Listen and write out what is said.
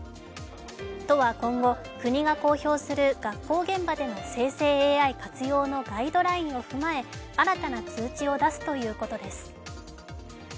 都は今後、国が公表する学校現場での生成ＡＩ活用のガイドラインを踏まえ、新たな通知を出すということです。